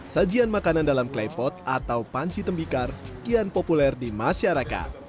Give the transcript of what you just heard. sajian makanan dalam klepot atau panci tembikar kian populer di masyarakat